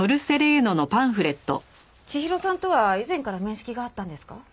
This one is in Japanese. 千尋さんとは以前から面識があったんですか？